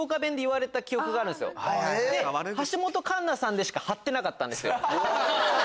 橋本環奈さんでしか張ってなかった。